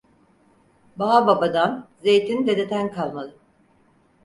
Bağ babadan, zeytin dededen kalmalı.